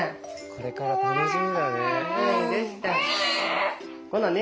これから楽しみだね。